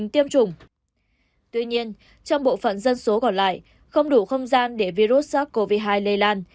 tuy nhiên trong bộ phận dân số còn lại không đủ không gian để virus sars cov hai lây lan